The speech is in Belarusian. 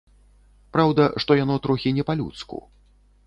Праўда, што яно трохі не па-людску.